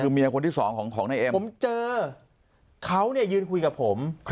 คือเมียคนที่สองของนายเอ็มผมเจอเขาเนี่ยยืนคุยกับผม